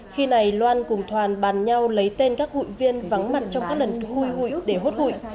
khi này loan cùng toàn bàn nhau lấy tên các hụi viên vắng mặt trong các lần hùi hụi để hốt hụi